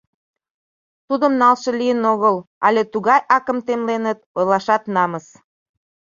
Тудым налше лийын огыл але тугай акым темленыт, ойлашат намыс.